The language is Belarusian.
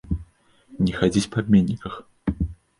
Не хадзіць па абменніках!